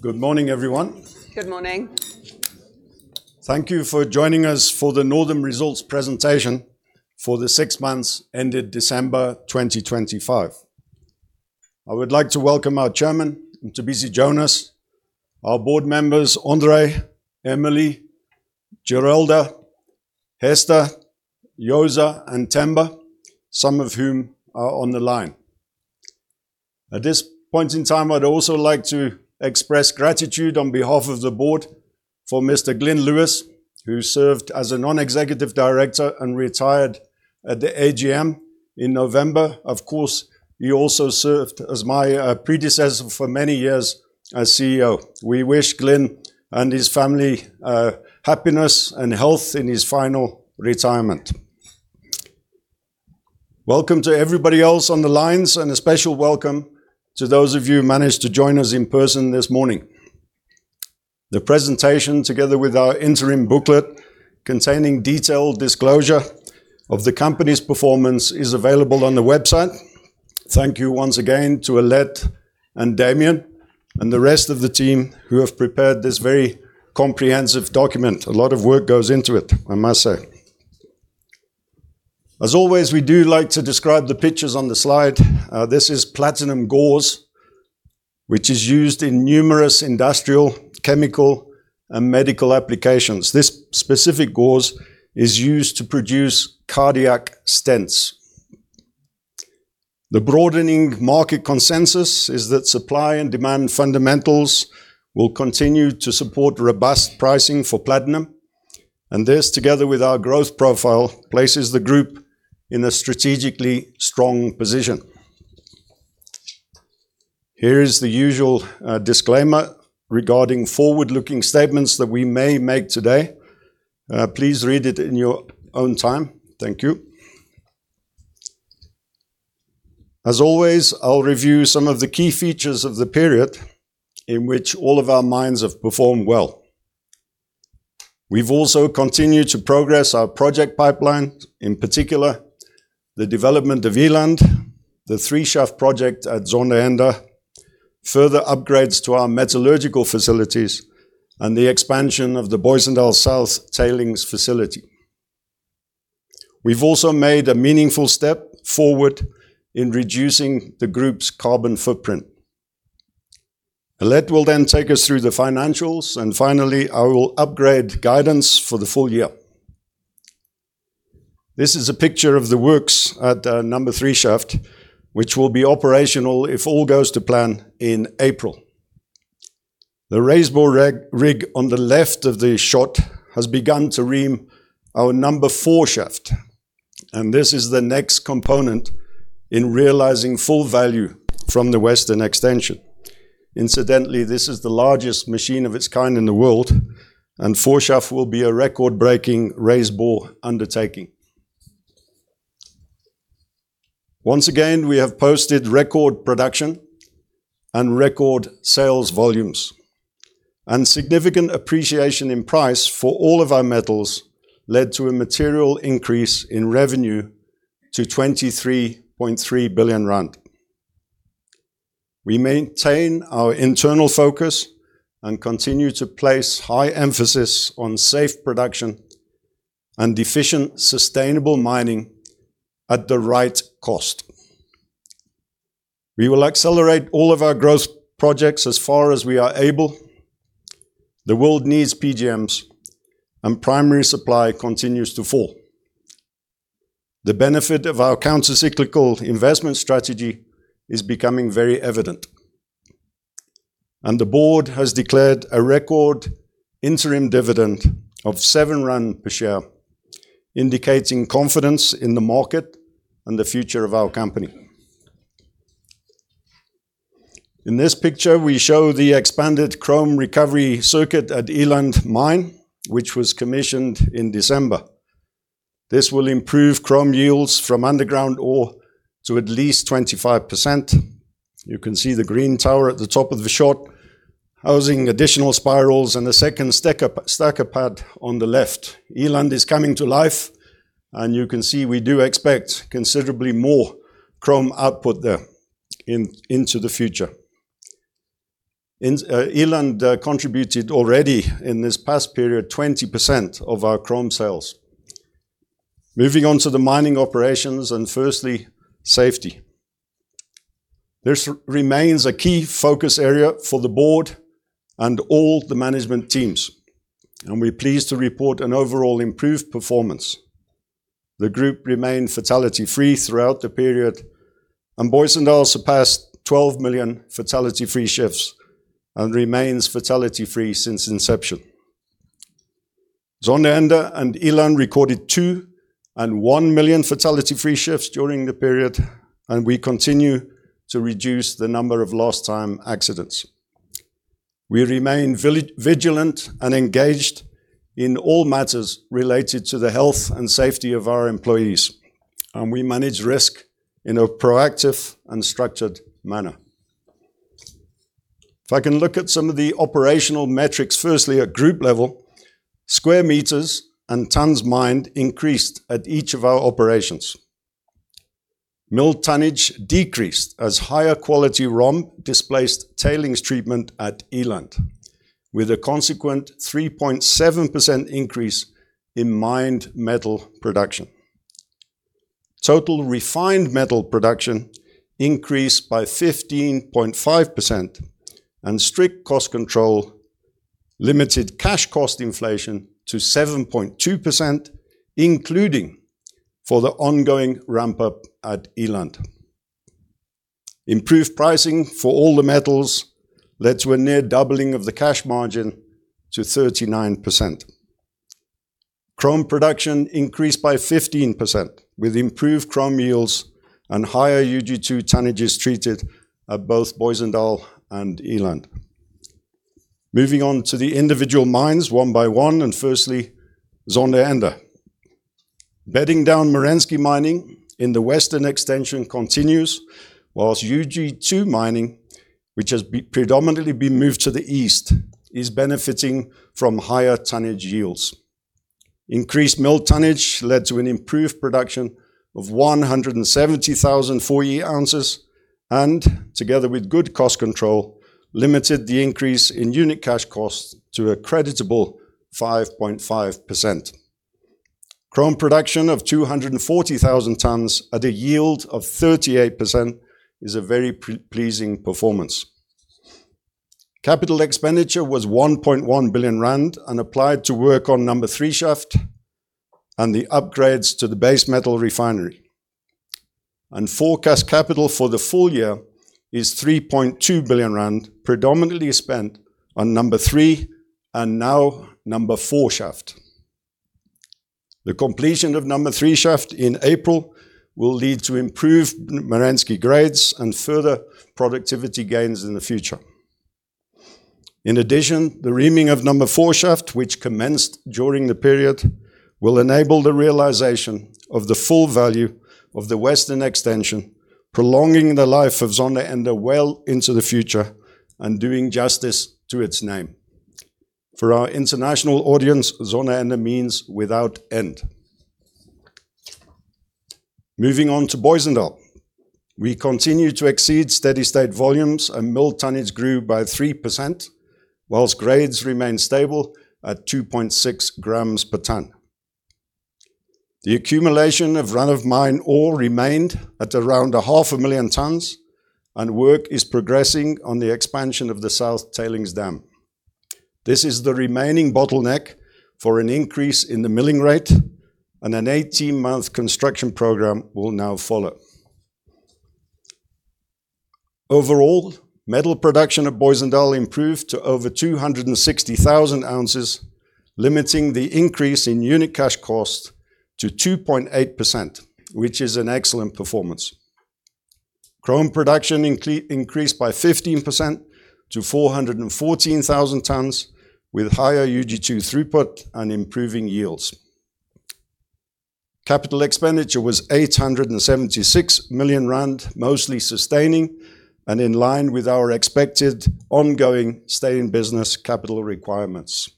Good morning, everyone. Good morning. Thank you for joining us for the Northam results presentation for the six months ended December 2025. I would like to welcome our Chairman, Mcebisi Jonas, our board members, Andre, Emily, Geralda, Hester, Joza, and Themba, some of whom are on the line. At this point in time, I'd also like to express gratitude on behalf of the board for Mr. Glynn Lewis, who served as a non-executive director and retired at the AGM in November. Of course, he also served as my predecessor for many years as CEO. We wish Glenn and his family happiness and health in his final retirement. Welcome to everybody else on the lines, and a special welcome to those of you who managed to join us in person this morning. The presentation, together with our interim booklet, containing detailed disclosure of the company's performance, is available on the website. Thank you once again to Alet and Damian and the rest of the team who have prepared this very comprehensive document. A lot of work goes into it, I must say. As always, we do like to describe the pictures on the slide. This is platinum gauze, which is used in numerous industrial, chemical, and medical applications. This specific gauze is used to produce cardiac stents. The broadening market consensus is that supply and demand fundamentals will continue to support robust pricing for platinum, and this, together with our growth profile, places the group in a strategically strong position. Here is the usual disclaimer regarding forward-looking statements that we may make today. Please read it in your own time. Thank you. As always, I'll review some of the key features of the period in which all of our mines have performed well. We've also continued to progress our project pipeline, in particular, the development of Eland, the three shaft project at Zondereinde, further upgrades to our metallurgical facilities, and the expansion of the Booysendal South tailings facility. We've also made a meaningful step forward in reducing the Group's carbon footprint. Alet will then take us through the financials, and finally, I will upgrade guidance for the full year. This is a picture of the works at number three shaft, which will be operational, if all goes to plan, in April. The raisebore rig on the left of the shot has begun to ream our number four shaft, and this is the next component in realizing full value from the western extension. Incidentally, this is the largest machine of its kind in the world, and four shaft will be a record-breaking raisebore undertaking. Once again, we have posted record production and record sales volumes. Significant appreciation in price for all of our metals led to a material increase in revenue to 23.3 billion rand. We maintain our internal focus and continue to place high emphasis on safe production and efficient, sustainable mining at the right cost. We will accelerate all of our growth projects as far as we are able. The world needs PGMs, and primary supply continues to fall. The benefit of our countercyclical investment strategy is becoming very evident, and the board has declared a record interim dividend of 7 rand per share, indicating confidence in the market and the future of our company. In this picture, we show the expanded chrome recovery circuit at Eland Mine, which was commissioned in December. This will improve chrome yields from underground ore to at least 25%. You can see the green tower at the top of the shot, housing additional spirals and a second stackup, stacker pad on the left. Eland is coming to life. You can see we do expect considerably more chrome output there into the future. Eland contributed already in this past period, 20% of our chrome sales. Moving on to the mining operations, firstly, safety. This remains a key focus area for the board and all the management teams. We're pleased to report an overall improved performance. The group remained fatality-free throughout the period. Booysendal surpassed 12 million fatality-free shifts and remains fatality-free since inception. Zondereinde and Eland recorded 2 and 1 million fatality-free shifts during the period. We continue to reduce the number of lost time accidents. We remain vigilant and engaged in all matters related to the health and safety of our employees. We manage risk in a proactive and structured manner. If I can look at some of the operational metrics, firstly, at group level, square meters and tons mined increased at each of our operations. Mill tonnage decreased as higher quality raw displaced tailings treatment at Eland, with a consequent 3.7% increase in mined metal production. Total refined metal production increased by 15.5%. Strict cost control limited cash cost inflation to 7.2%, including for the ongoing ramp-up at Eland. Improved pricing for all the metals led to a near doubling of the cash margin to 39%. Chrome production increased by 15%, with improved chrome yields and higher UG2 tonnages treated at both Booysendal and Eland. Moving on to the individual mines one by one, firstly, Zondereinde. Bedding down Merensky mining in the western extension continues, whilst UG2 mining, which has predominantly been moved to the east, is benefiting from higher tonnage yields. Increased mill tonnage led to an improved production of 170,000 full year ounces, and together with good cost control, limited the increase in unit cash costs to a creditable 5.5%. Chrome production of 240,000 tons at a yield of 38% is a very pleasing performance. CapEx was 1.1 billion rand and applied to work on number three shaft and the upgrades to the base metal refinery. Forecast capital for the full year is 3.2 billion rand, predominantly spent on number three and now number four shaft. The completion of number three shaft in April will lead to improved Merensky grades and further productivity gains in the future. In addition, the reaming of number four shaft, which commenced during the period, will enable the realization of the full value of the western extension, prolonging the life of Zondereinde well into the future and doing justice to its name. For our international audience, Zondereinde means without end. Moving on to Booysendal. We continue to exceed steady-state volumes, and mill tonnage grew by 3%, whilst grades remained stable at 2.6g per ton. The accumulation of run-of-mine ore remained at around 500,000 tons, and work is progressing on the expansion of the South Tailings Dam. This is the remaining bottleneck for an increase in the milling rate, and an 18-month construction program will now follow. Overall, metal production at Booysendal improved to over 260,000 ounces, limiting the increase in unit cash cost to 2.8%, which is an excellent performance. Chrome production increased by 15% to 414,000 tons, with higher UG2 throughput and improving yields. Capital expenditure was 876 million rand, mostly sustaining and in line with our expected ongoing stay in business capital requirements.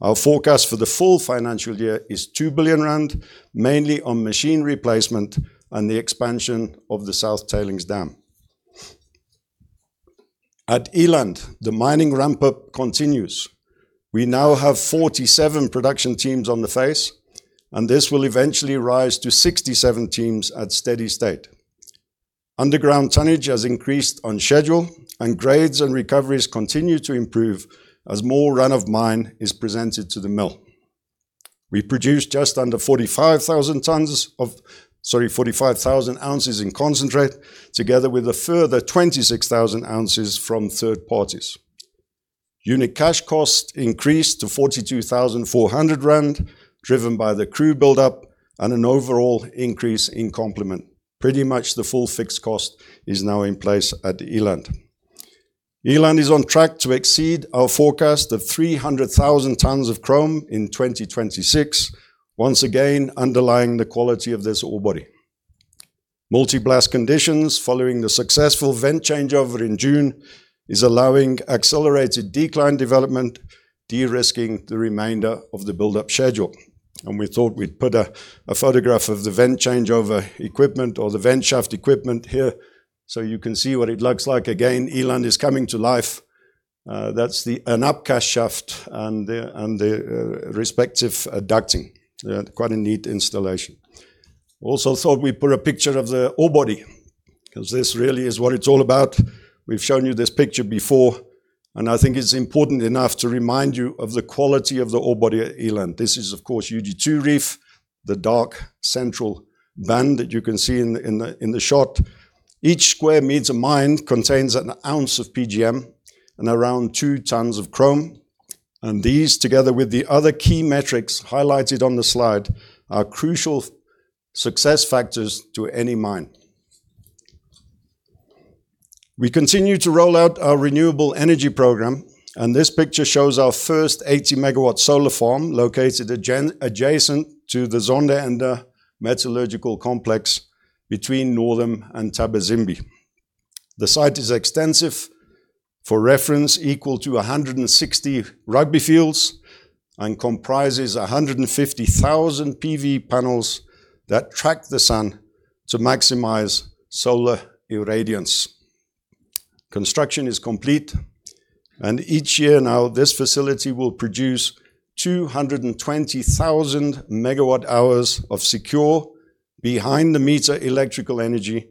Our forecast for the full financial year is 2 billion rand, mainly on machine replacement and the expansion of the South Tailings Dam. At Eland, the mining ramp-up continues. We now have 47 production teams on the face. This will eventually rise to 67 teams at steady state. Underground tonnage has increased on schedule. Grades and recoveries continue to improve as more run-of-mine is presented to the mill. We produced just under 45,000 tons sorry, 45,000 ounces in concentrate, together with a further 26,000 ounces from third parties. Unit cash cost increased to 42,400 rand, driven by the crew build-up and an overall increase in complement. Pretty much the full fixed cost is now in place at Eland. Eland is on track to exceed our forecast of 300,000 tons of chrome in 2026, once again, underlying the quality of this ore body. Multi-blast conditions, following the successful vent changeover in June, is allowing accelerated decline development, de-risking the remainder of the build-up schedule. We thought we'd put a photograph of the vent changeover equipment or the vent shaft equipment here, so you can see what it looks like. Again, Eland is coming to life. That's the an upcast shaft and the respective ducting. Quite a neat installation. Also thought we'd put a picture of the ore body, because this really is what it's all about. We've shown you this picture before. I think it's important enough to remind you of the quality of the ore body at Eland. This is, of course, UG2 Reef, the dark central band that you can see in the shot. Each square meters of mine contains an ounce of PGM and around two tons of chrome. These, together with the other key metrics highlighted on the slide, are crucial success factors to any mine. We continue to roll out our renewable energy program, and this picture shows our first 80 MW solar farm, located adjacent to the Zondereinde metallurgical complex between Northam and Thabazimbi. The site is extensive, for reference, equal to 160 rugby fields, and comprises 150,000 PV panels that track the sun to maximize solar irradiance. Construction is complete, and each year now, this facility will produce 220,000 MWh of secure, behind-the-meter electrical energy,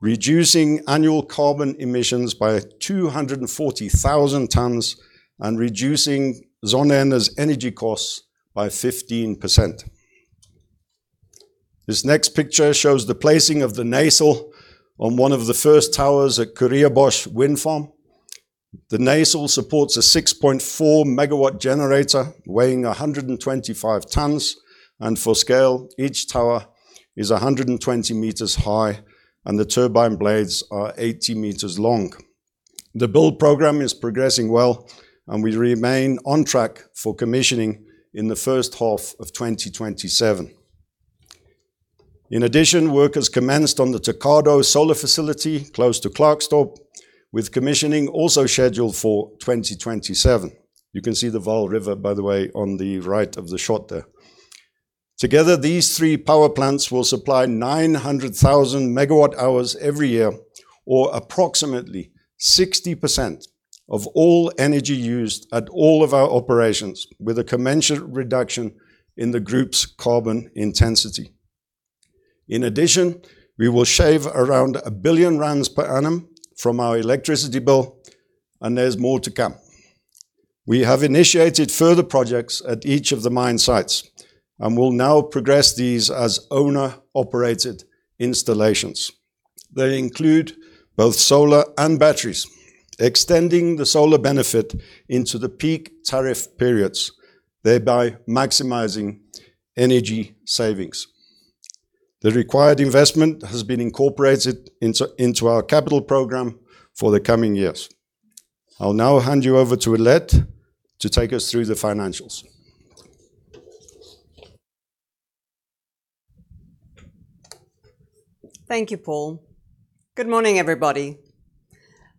reducing annual carbon emissions by 240,000 tons and reducing Zondereinde's energy costs by 15%. This next picture shows the placing of the nacelle on one of the first towers at Karee Wind Farm. The nacelle supports a 6.4 MWg weighing 125 tons, and for scale, each tower is 120 meters high, and the turbine blades are 80 meters long. The build program is progressing well, and we remain on track for commissioning in the first half of 2027. In addition, workers commenced on the Tacato solar facility, close to Klerksdorp, with commissioning also scheduled for 2027. You can see the Vaal River, by the way, on the right of the shot there. Together, these three power plants will supply 900,000 MWh every year, or approximately 60% of all energy used at all of our operations, with a commensurate reduction in the group's carbon intensity. In addition, we will shave around 1 billion rand per annum from our electricity bill, and there's more to come. We have initiated further projects at each of the mine sites and will now progress these as owner-operated installations. They include both solar and batteries, extending the solar benefit into the peak tariff periods, thereby maximizing energy savings. The required investment has been incorporated into our capital program for the coming years. I'll now hand you over to Alet to take us through the financials. Thank you, Paul. Good morning, everybody.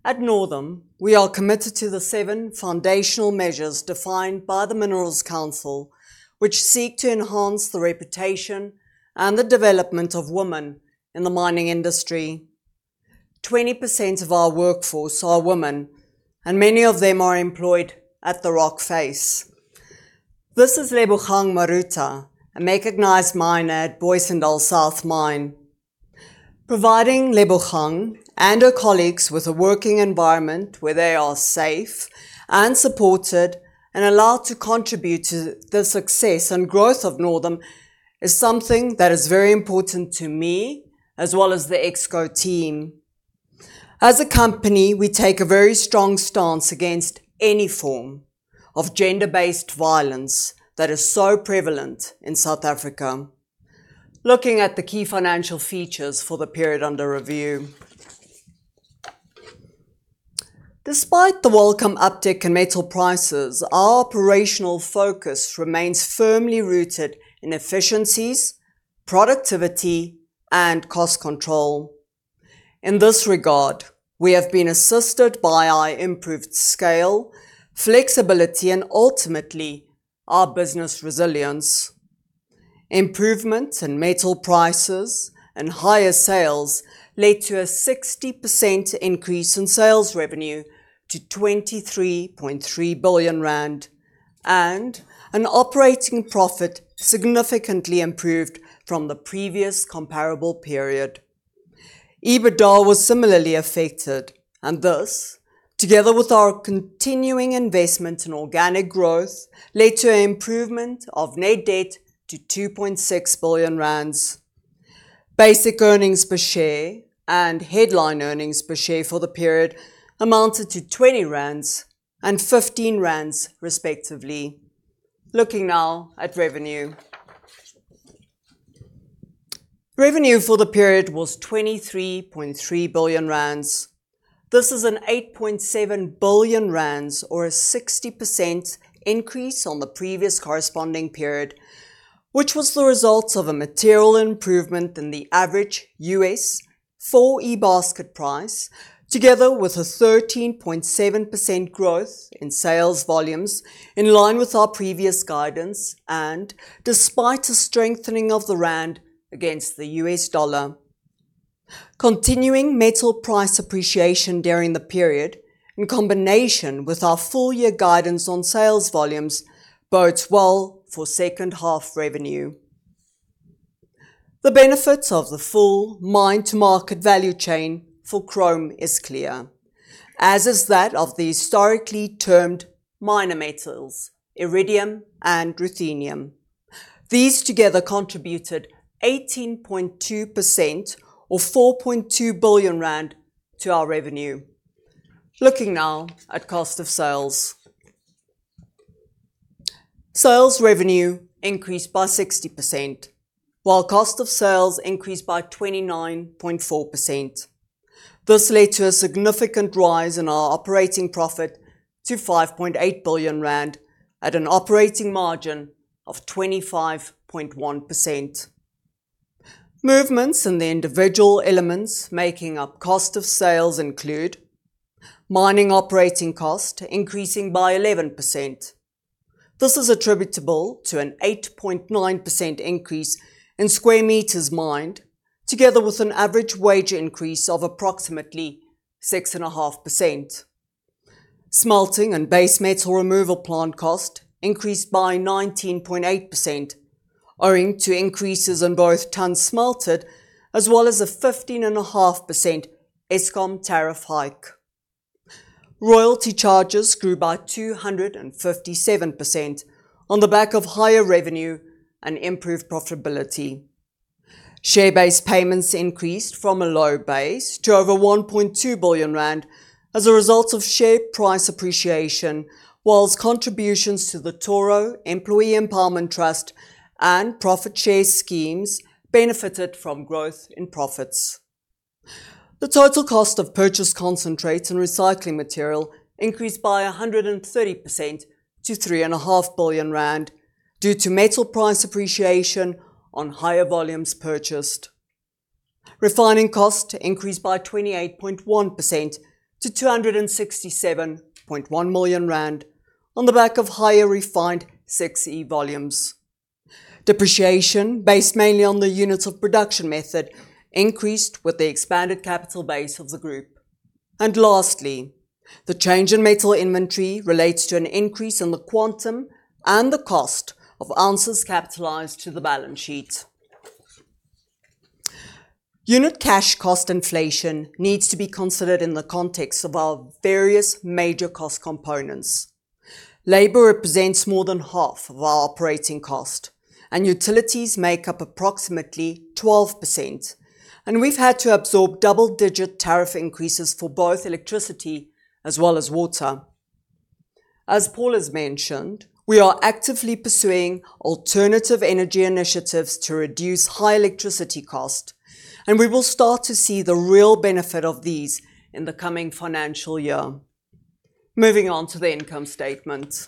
At Northam, we are committed to the seven foundational measures defined by the Minerals Council, which seek to enhance the reputation and the development of women in the mining industry. 20% of our workforce are women, and many of them are employed at the rock face. This is Lebogang Moruta, a recognized miner at Booysendal South Mine. Providing Lebogang and her colleagues with a working environment where they are safe and supported and allowed to contribute to the success and growth of Northam is something that is very important to me, as well as the ExCo team. As a company, we take a very strong stance against any form of gender-based violence that is so prevalent in South Africa. Looking at the key financial features for the period under review. Despite the welcome uptick in metal prices, our operational focus remains firmly rooted in efficiencies, productivity, and cost control. In this regard, we have been assisted by our improved scale, flexibility, and ultimately, our business resilience. Improvements in metal prices and higher sales led to a 60% increase in sales revenue to 23.3 billion rand. An operating profit significantly improved from the previous comparable period. EBITDA was similarly affected, and this, together with our continuing investment in organic growth, led to an improvement of net debt to 2.6 billion rand. Basic earnings per share and headline earnings per share for the period amounted to 20 rand and 15 rand, respectively. Looking now at revenue. Revenue for the period was 23.3 billion rand. This is 8.7 billion rand or a 60% increase on the previous corresponding period, which was the result of a material improvement in the average US 4E basket price, together with a 13.7% growth in sales volumes, in line with our previous guidance, and despite a strengthening of the rand against the US dollar. Continuing metal price appreciation during the period, in combination with our full-year guidance on sales volumes, bodes well for second-half revenue. The benefits of the full mine-to-market value chain for chrome is clear, as is that of the historically termed minor metals, iridium and ruthenium. These together contributed 18.2% or 4.2 billion rand to our revenue. Looking now at cost of sales. Sales revenue increased by 60%, while cost of sales increased by 29.4%. This led to a significant rise in our operating profit to 5.8 billion rand, at an operating margin of 25.1%. Movements in the individual elements making up cost of sales include mining operating cost increasing by 11%. This is attributable to an 8.9% increase in square meters mined, together with an average wage increase of approximately 6.5%. Smelting and base metal removal plant cost increased by 19.8%, owing to increases in both tons smelted, as well as a 15.5% Eskom tariff hike. Royalty charges grew by 257% on the back of higher revenue and improved profitability. Share-based payments increased from a low base to over 1.2 billion rand as a result of share price appreciation, whilst contributions to the Toro Employee Empowerment Trust and profit share schemes benefited from growth in profits. The total cost of purchased concentrates and recycling material increased by 130% to three and a half billion rand due to metal price appreciation on higher volumes purchased. Refining cost increased by 28.1% to 267.1 million rand on the back of higher refined 6E volumes. Depreciation, based mainly on the units-of-production method, increased with the expanded capital base of the group. Lastly, the change in metal inventory relates to an increase in the quantum and the cost of ounces capitalized to the balance sheet. Unit cash cost inflation needs to be considered in the context of our various major cost components. Labor represents more than half of our operating cost. Utilities make up approximately 12%, and we've had to absorb double-digit tariff increases for both electricity as well as water. As Paul has mentioned, we are actively pursuing alternative energy initiatives to reduce high electricity cost, and we will start to see the real benefit of these in the coming financial year. Moving on to the income statement.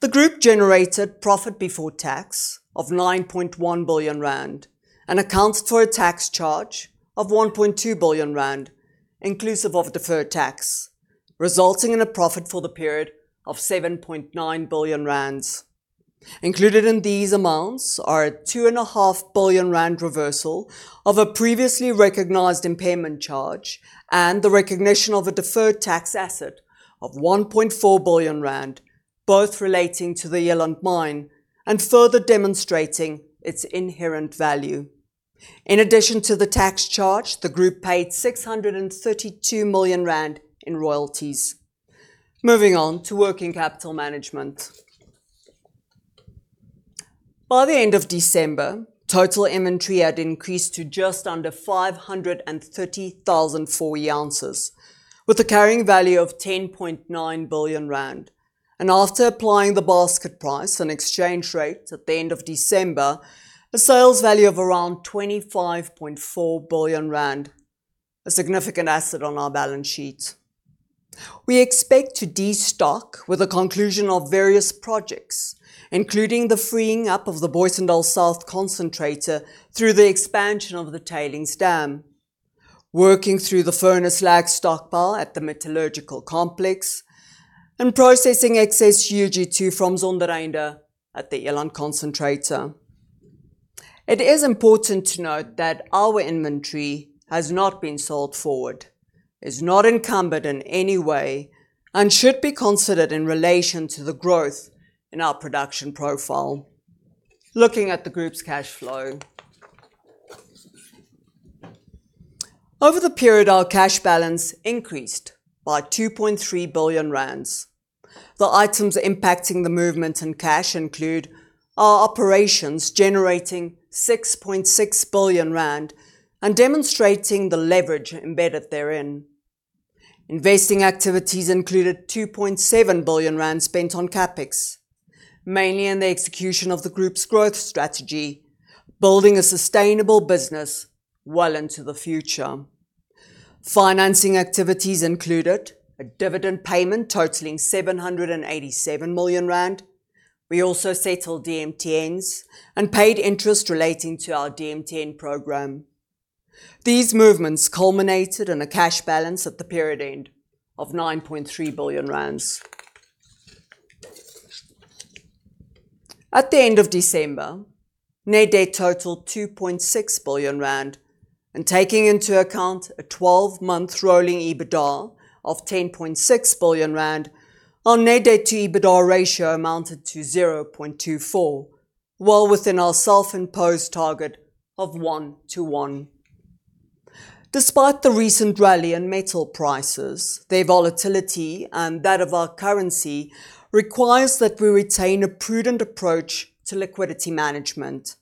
The group generated profit before tax of 9.1 billion rand and accounted for a tax charge of 1.2 billion rand, inclusive of deferred tax, resulting in a profit for the period of 7.9 billion rand. Included in these amounts are a two and a half billion rand reversal of a previously recognized impairment charge and the recognition of a deferred tax asset of 1.4 billion rand, both relating to the Eland Mine and further demonstrating its inherent value. In addition to the tax charge, the group paid 632 million rand in royalties. Moving on to working capital management. By the end of December, total inventory had increased to just under 530,000 full ounces, with a carrying value of 10.9 billion rand, and after applying the basket price and exchange rates at the end of December, a sales value of around 25.4 billion rand, a significant asset on our balance sheet. We expect to destock with the conclusion of various projects, including the freeing up of the Booysendal South concentrator through the expansion of the tailings dam, working through the furnace lag stockpile at the metallurgical complex, and processing excess UG2 from Zondereinde at the Eland concentrator. It is important to note that our inventory has not been sold forward, is not encumbered in any way, and should be considered in relation to the growth in our production profile. Looking at the group's cash flow. Over the period, our cash balance increased by 2.3 billion rand. The items impacting the movement in cash include our operations generating 6.6 billion rand and demonstrating the leverage embedded therein. Investing activities included 2.7 billion rand spent on CapEx, mainly in the execution of the group's growth strategy, building a sustainable business well into the future. Financing activities included a dividend payment totaling 787 million rand. We also settled DMTNs and paid interest relating to our DMTN program. These movements culminated in a cash balance at the period end of 9.3 billion rand. At the end of December, net debt totaled 2.6 billion rand, and taking into account a 12-month rolling EBITDA of 10.6 billion rand, our net debt to EBITDA ratio amounted to 0.24, well within our self-imposed target of 1 to 1. Despite the recent rally in metal prices, their volatility and that of our currency requires that we retain a prudent approach to liquidity management.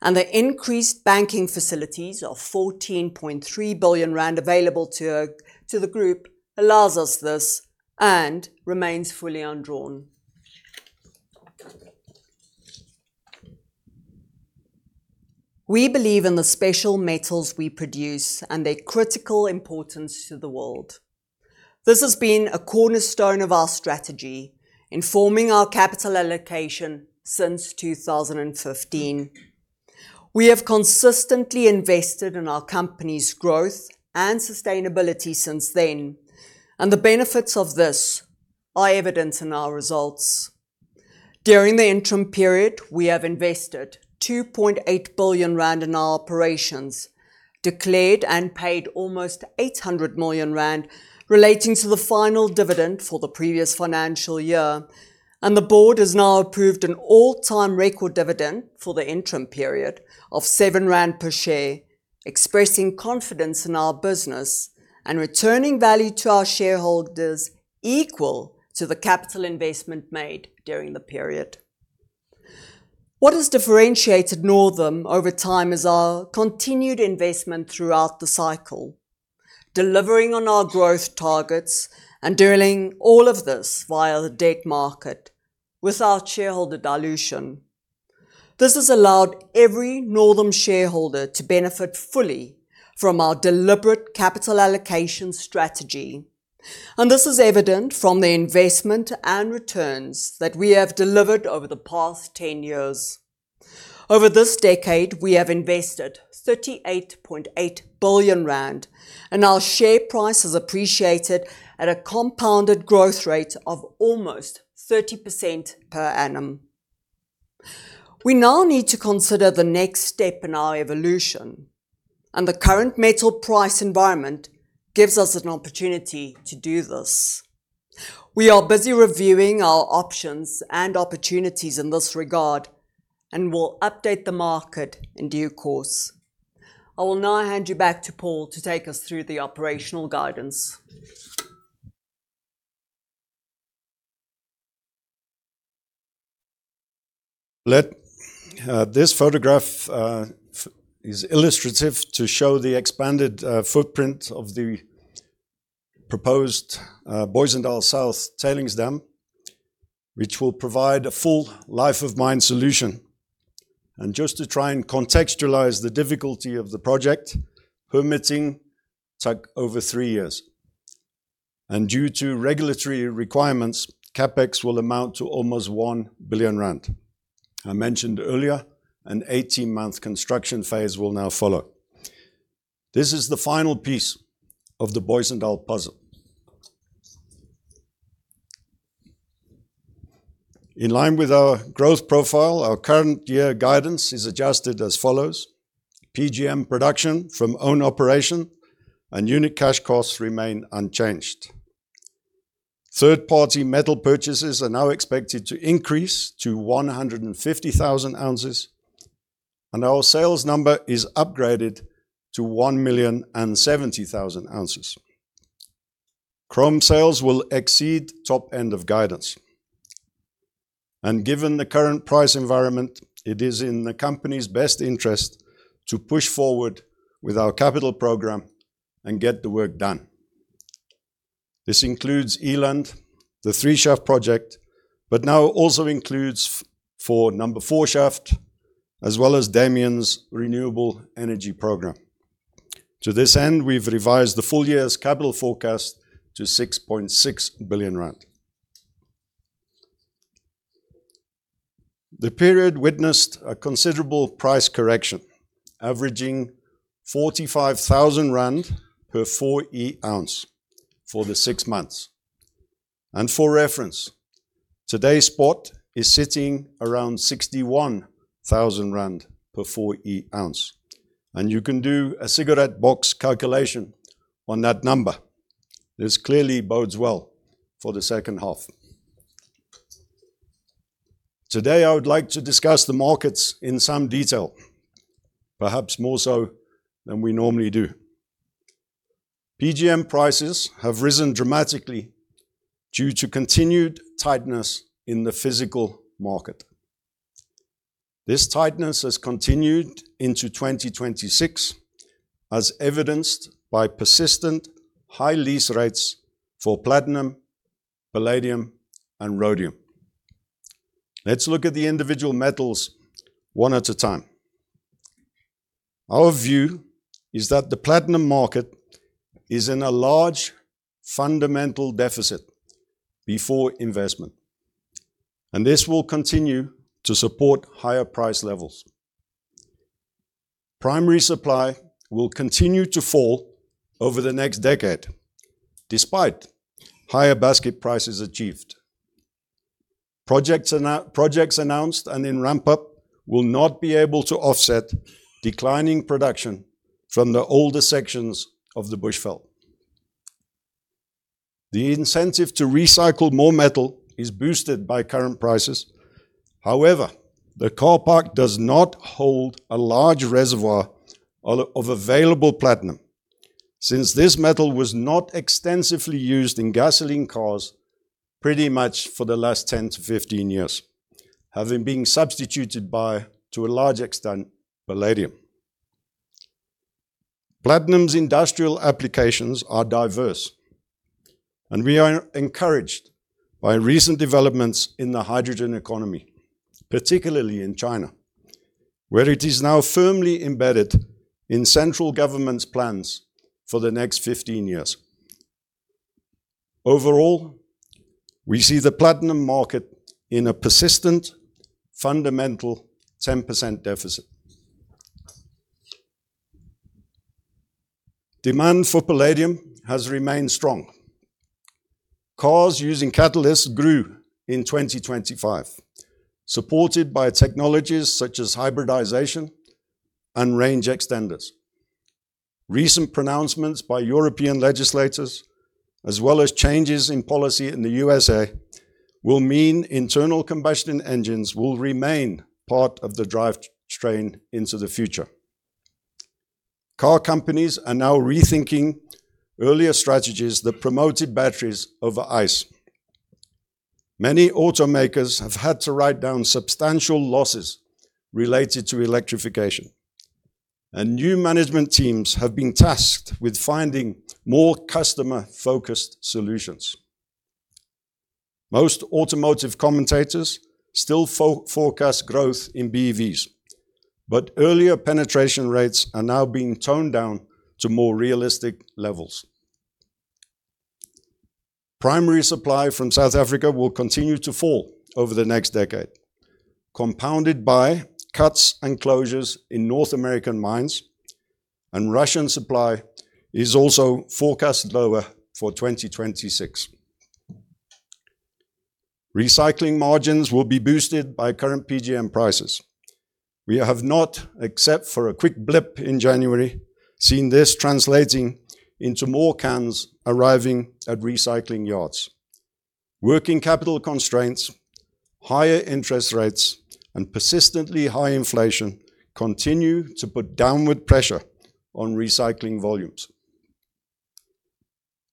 The increased banking facilities of 14.3 billion rand available to the group allows us this and remains fully undrawn. We believe in the special metals we produce and their critical importance to the world. This has been a cornerstone of our strategy, informing our capital allocation since 2015. We have consistently invested in our company's growth and sustainability since then. The benefits of this are evident in our results. During the interim period, we have invested 2.8 billion rand in our operations, declared and paid almost 800 million rand relating to the final dividend for the previous financial year. The board has now approved an all-time record dividend for the interim period of 7 rand per share, expressing confidence in our business and returning value to our shareholders equal to the capital investment made during the period. What has differentiated Northam over time is our continued investment throughout the cycle, delivering on our growth targets and doing all of this via the debt market without shareholder dilution. This has allowed every Northam shareholder to benefit fully from our deliberate capital allocation strategy. This is evident from the investment and returns that we have delivered over the past 10 years. Over this decade, we have invested 38.8 billion rand. Our share price has appreciated at a compounded growth rate of almost 30% per annum. We now need to consider the next step in our evolution. The current metal price environment gives us an opportunity to do this. We are busy reviewing our options and opportunities in this regard. We'll update the market in due course. I will now hand you back to Paul to take us through the operational guidance. This photograph is illustrative to show the expanded footprint of the proposed Booysendal South tailings dam, which will provide a full life of mine solution. Just to try and contextualize the difficulty of the project, permitting took over 3 years, and due to regulatory requirements, CapEx will amount to almost 1 billion rand. I mentioned earlier, an 18-month construction phase will now follow. This is the final piece of the Booysendal puzzle. In line with our growth profile, our current year guidance is adjusted as follows: PGM production from own operation and unit cash costs remain unchanged. Third-party metal purchases are now expected to increase to 150,000 ounces, and our sales number is upgraded to 1,070,000 ounces. Chrome sales will exceed top end of guidance. Given the current price environment, it is in the company's best interest to push forward with our capital program and get the work done. This includes Eland, the 3 Shaft project, but now also includes for number four shaft, as well as Damian's renewable energy program. To this end, we've revised the full year's capital forecast to 6.6 billion rand. The period witnessed a considerable price correction, averaging 45,000 rand per 4E ounce for the six months. For reference, today's spot is sitting around 61,000 rand per 4E ounce, and you can do a cigarette box calculation on that number. This clearly bodes well for the second half. Today, I would like to discuss the markets in some detail, perhaps more so than we normally do. PGM prices have risen dramatically due to continued tightness in the physical market. This tightness has continued into 2026, as evidenced by persistent high lease rates for Platinum, Palladium, and Rhodium. Let's look at the individual metals one at a time. Our view is that the Platinum market is in a large fundamental deficit before investment. This will continue to support higher price levels. Primary supply will continue to fall over the next decade, despite higher basket prices achieved. Projects announced and in ramp-up will not be able to offset declining production from the older sections of the Bushveld. The incentive to recycle more metal is boosted by current prices. The car park does not hold a large reservoir of available Platinum. Since this metal was not extensively used in gasoline cars pretty much for the last 10 years-15 years, having been substituted by, to a large extent, Palladium. Platinum's industrial applications are diverse, and we are encouraged by recent developments in the hydrogen economy, particularly in China, where it is now firmly embedded in central government's plans for the next 15 years. Overall, we see the Platinum market in a persistent, fundamental 10% deficit. Demand for Palladium has remained strong. Cars using catalysts grew in 2025, supported by technologies such as hybridization and range extenders. Recent pronouncements by European legislators, as well as changes in policy in the USA, will mean internal combustion engines will remain part of the drive train into the future. Car companies are now rethinking earlier strategies that promoted batteries over ICE. Many automakers have had to write down substantial losses related to electrification, and new management teams have been tasked with finding more customer-focused solutions. Most automotive commentators still forecast growth in BEVs, but earlier penetration rates are now being toned down to more realistic levels. Primary supply from South Africa will continue to fall over the next decade, compounded by cuts and closures in North American mines, and Russian supply is also forecast lower for 2026. Recycling margins will be boosted by current PGM prices. We have not, except for a quick blip in January, seen this translating into more cans arriving at recycling yards. Working capital constraints, higher interest rates, and persistently high inflation continue to put downward pressure on recycling volumes.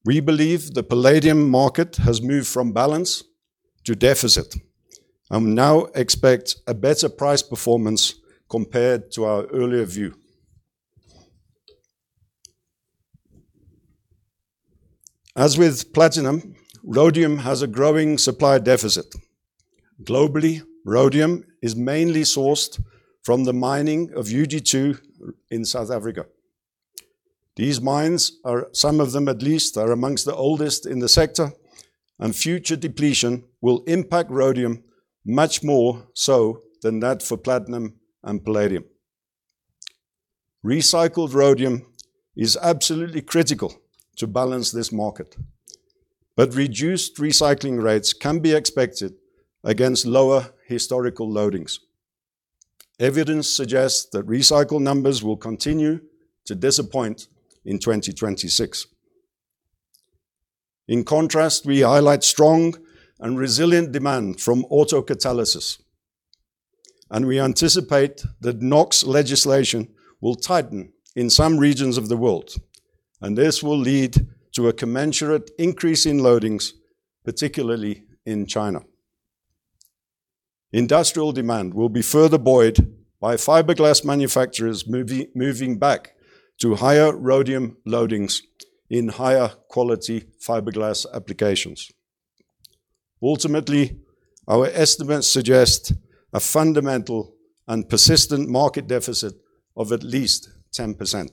We believe the palladium market has moved from balance to deficit and now expect a better price performance compared to our earlier view. As with Platinum, Rhodium has a growing supply deficit. Globally, Rhodium is mainly sourced from the mining of UG2 in South Africa. These mines are, some of them at least, amongst the oldest in the sector, and future depletion will impact Rhodium much more so than that for Platinum and Palladium. Recycled Rhodium is absolutely critical to balance this market, but reduced recycling rates can be expected against lower historical loadings. Evidence suggests that recycle numbers will continue to disappoint in 2026. In contrast, we highlight strong and resilient demand from auto catalysis, and we anticipate that NOx legislation will tighten in some regions of the world, and this will lead to a commensurate increase in loadings, particularly in China. Industrial demand will be further buoyed by fiberglass manufacturers moving back to higher Rhodium loadings in higher quality fiberglass applications. Ultimately, our estimates suggest a fundamental and persistent market deficit of at least 10%.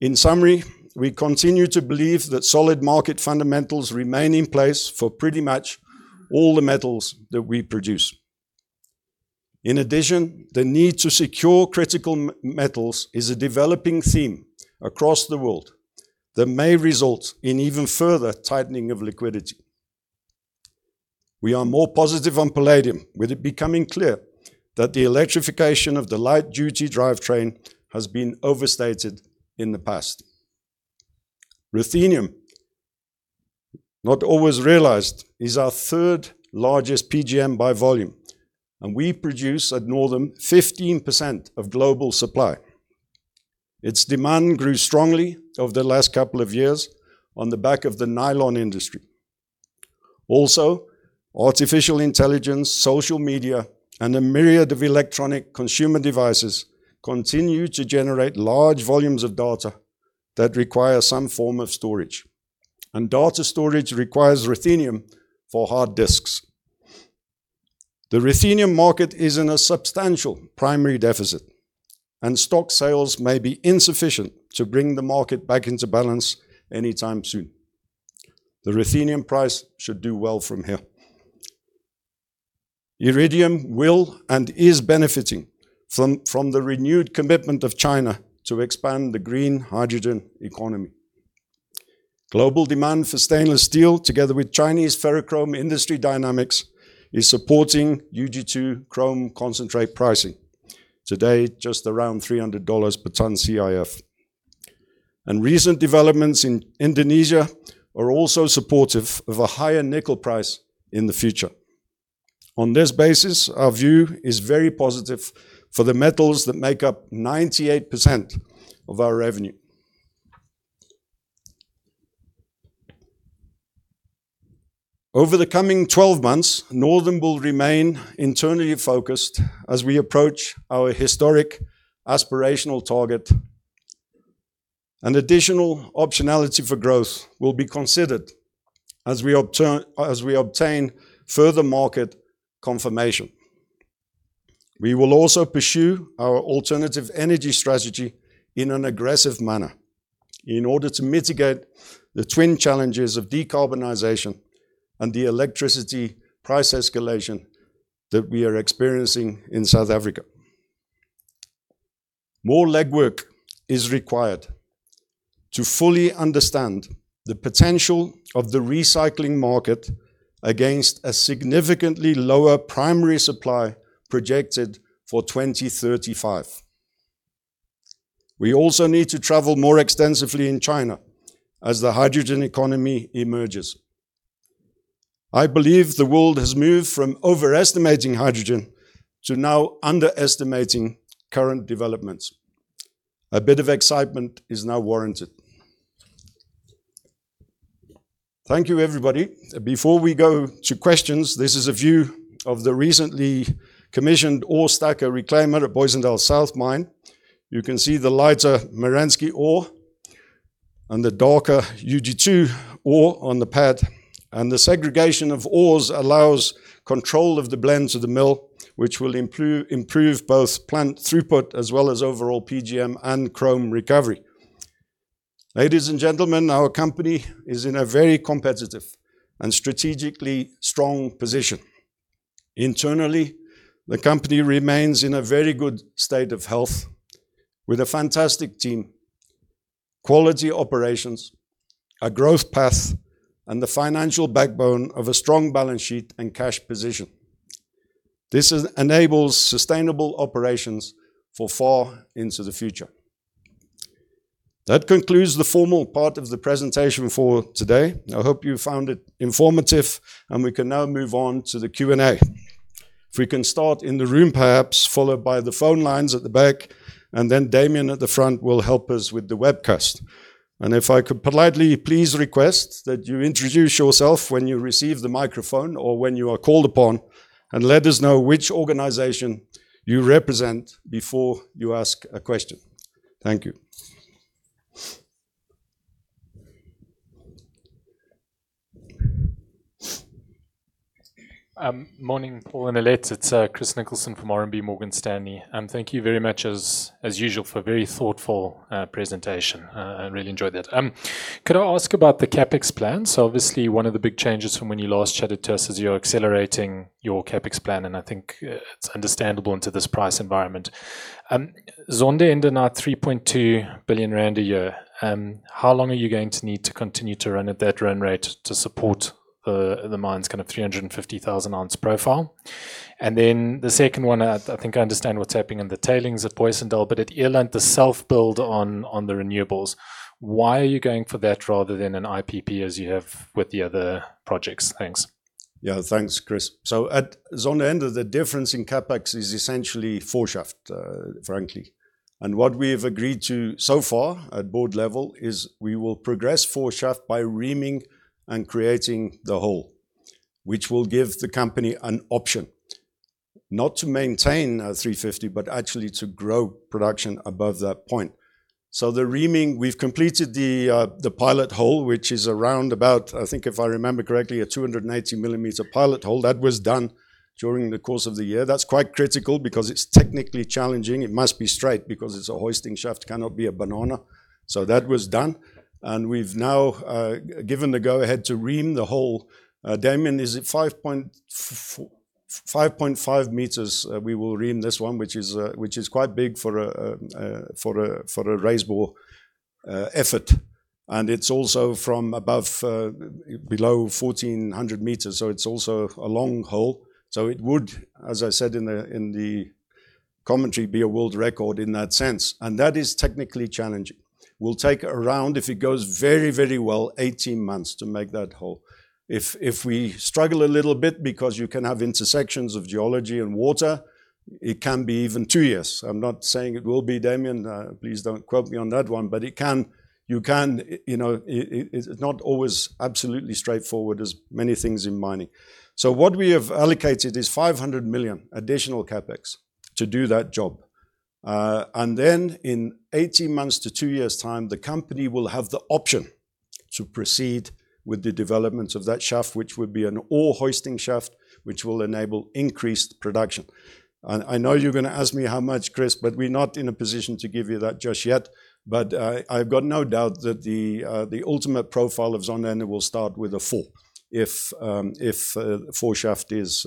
In summary, we continue to believe that solid market fundamentals remain in place for pretty much all the metals that we produce. In addition, the need to secure critical metals is a developing theme across the world that may result in even further tightening of liquidity. We are more positive on Palladium, with it becoming clear that the electrification of the light-duty drivetrain has been overstated in the past. Ruthenium, not always realized, is our third-largest PGM by volume, and we produce at Northam 15% of global supply. Its demand grew strongly over the last couple of years on the back of the nylon industry. Also, artificial intelligence, social media, and a myriad of electronic consumer devices continue to generate large volumes of data that require some form of storage. Data storage requires ruthenium for hard disks. The ruthenium market is in a substantial primary deficit, and stock sales may be insufficient to bring the market back into balance anytime soon. The ruthenium price should do well from here. Iridium will and is benefiting from the renewed commitment of China to expand the green hydrogen economy. Global demand for stainless steel, together with Chinese ferrochrome industry dynamics, is supporting UG2 chrome concentrate pricing, today just around $300 per ton CIF. Recent developments in Indonesia are also supportive of a higher nickel price in the future. On this basis, our view is very positive for the metals that make up 98% of our revenue. Over the coming 12 months, Northam will remain internally focused as we approach our historic aspirational target. Additional optionality for growth will be considered as we obtain further market confirmation. We will also pursue our alternative energy strategy in an aggressive manner in order to mitigate the twin challenges of decarbonization and the electricity price escalation that we are experiencing in South Africa. More legwork is required to fully understand the potential of the recycling market against a significantly lower primary supply projected for 2035. We also need to travel more extensively in China as the hydrogen economy emerges. I believe the world has moved from overestimating hydrogen to now underestimating current developments. A bit of excitement is now warranted. Thank you, everybody. Before we go to questions, this is a view of the recently commissioned ore stacker reclaimer at Booysendal South mine. You can see the lighter Merensky ore and the darker UG2 ore on the pad, and the segregation of ores allows control of the blends of the mill, which will improve both plant throughput as well as overall PGM and chrome recovery. Ladies and gentlemen, our company is in a very competitive and strategically strong position. Internally, the company remains in a very good state of health with a fantastic team, quality operations, a growth path, and the financial backbone of a strong balance sheet and cash position. This enables sustainable operations for far into the future. That concludes the formal part of the presentation for today. I hope you found it informative, and we can now move on to the Q&A. If we can start in the room, perhaps, followed by the phone lines at the back, and then Damian at the front will help us with the webcast. If I could politely please request that you introduce yourself when you receive the microphone or when you are called upon, and let us know which organization you represent before you ask a question. Thank you. Morning, Paul and Alet. It's Christopher Nicholson from RMB Morgan Stanley. Thank you very much as usual, for a very thoughtful presentation. I really enjoyed that. Could I ask about the CapEx plan? Obviously, one of the big changes from when you last chatted to us is you're accelerating your CapEx plan, and I think, it's understandable into this price environment. Zondereinde ended at 3.2 billion rand a year. How long are you going to need to continue to run at that run rate to support the mine's kind of 350,000 ounce profile? The second one, I think I understand what's happening in the tailings at Booysendal, but at Eland the Self build on the renewables, why are you going for that rather than an IPP as you have with the other projects? Thanks. Yeah. Thanks, Chris. At Zonde, the difference in CapEx is essentially 4 shaft, frankly. What we've agreed to so far at board level is we will progress 4 shaft by reaming and creating the hole, which will give the company an option not to maintain 350, but actually to grow production above that point. The reaming, we've completed the pilot hole, which is around about, I think, if I remember correctly, a 280 millimeter pilot hole. That was done during the course of the year. That's quite critical because it's technically challenging. It must be straight because it's a hoisting shaft, cannot be a banana. That was done, and we've now given the go-ahead to ream the hole. Damian, is it 5.5 M, we will ream this one, which is quite big for a for a raise-bore effort, and it's also from above below 1,400 meters, so it's also a long hole. It would, as I said in the commentary, be a world record in that sense, and that is technically challenging. Will take around, if it goes very well, 18 months to make that hole. If we struggle a little bit because you can have intersections of geology and water, it can be even two years. I'm not saying it will be, Damian, please don't quote me on that one, but it can, you can, you know, it's not always absolutely straightforward as many things in mining. What we have allocated is 500 million additional CapEx to do that job. Then in 18 months to two years' time, the company will have the option to proceed with the development of that shaft, which would be an ore hoisting shaft, which will enable increased production. I know you're gonna ask me how much, Chris, but we're not in a position to give you that just yet. But I've got no doubt that the ultimate profile of Zonde will start with a four if four shaft is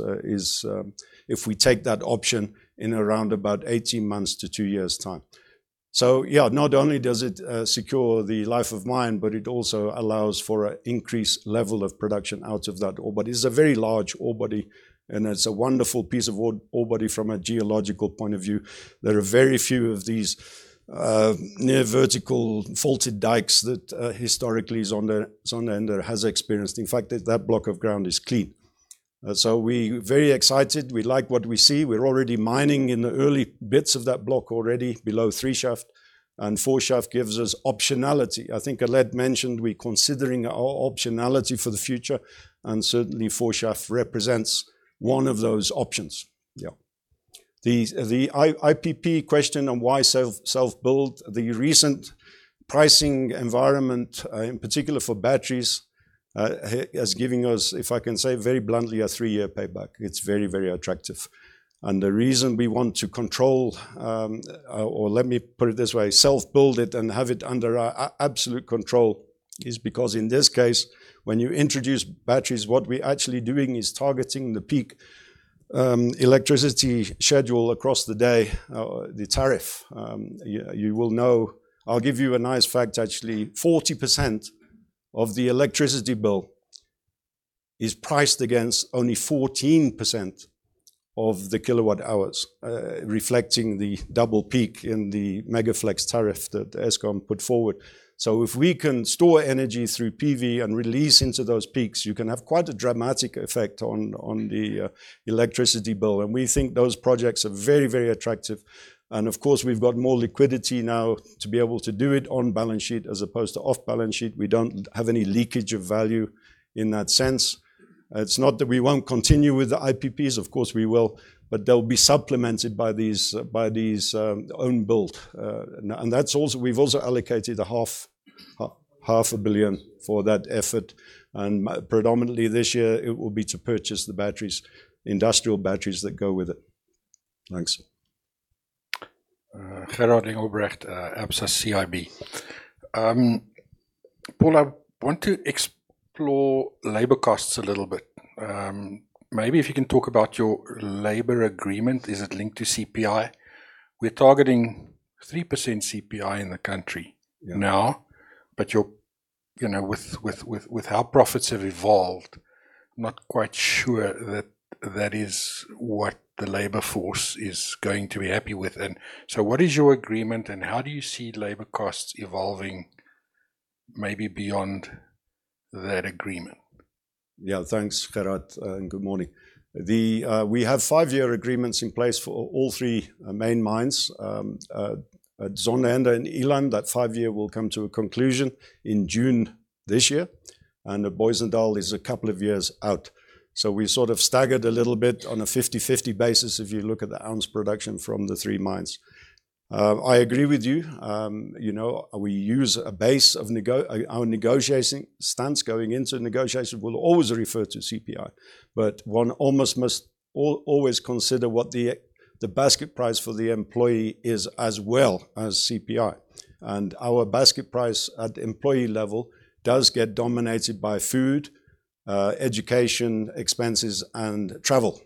if we take that option in around about 18 months to 2 years' time. Yeah, not only does it secure the life of mine, but it also allows for an increased level of production out of that ore. It's a very large ore body, and it's a wonderful piece of ore body from a geological point of view. There are very few of these near vertical faulted dikes that historically Zonde has experienced. In fact, that block of ground is clean. We very excited. We like what we see. We're already mining in the early bits of that block already below Three Shaft, and Four Shaft gives us optionality. I think Alet mentioned we're considering our optionality for the future, and certainly Four Shaft represents one of those options. The IPP question on why self-build, the recent pricing environment, in particular for batteries, is giving us, if I can say very bluntly, a three-year payback. It's very attractive. The reason we want to control, or let me put it this way, self-build it and have it under our absolute control, is because in this case, when you introduce batteries, what we're actually doing is targeting the peak electricity schedule across the day, the tariff. You will know I'll give you a nice fact, actually. 40% of the electricity bill is priced against only 14% of the kilowatt hours, reflecting the double peak in the Megaflex tariff that Eskom put forward. If we can store energy through PV and release into those peaks, you can have quite a dramatic effect on the electricity bill, and we think those projects are very attractive. Of course, we've got more liquidity now to be able to do it on balance sheet as opposed to off balance sheet. We don't have any leakage of value in that sense. It's not that we won't continue with the IPPs. Of course, we will, but they'll be supplemented by these own build. We've also allocated a 1.5 billion for that effort, and predominantly this year it will be to purchase the batteries, industrial batteries that go with it. Thanks. Gerhard Engelbrecht, Absa CIB. Paul, I want to explore labor costs a little bit. Maybe if you can talk about your labor agreement, is it linked to CPI? We're targeting 3% CPI in the country now, but your, you know, with how profits have evolved, not quite sure that that is what the labor force is going to be happy with. And so what is your agreement, and how do you see labor costs evolving, maybe beyond that agreement? Yeah, thanks, Gerhard. Good morning. We have five year agreements in place for all three main mines. Zondereinde and Eland, that 5-year will come to a conclusion in June this year. Booysendal is a couple of years out. We sort of staggered a little bit on a 50/50 basis if you look at the ounce production from the three mines. I agree with you. You know, we use a base of our negotiating stance going into negotiation will always refer to CPI, one almost must always consider what the basket price for the employee is as well as CPI. Our basket price at employee level does get dominated by food, education, expenses, and travel